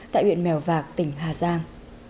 tại huyện mèo vạc tỉnh hà giang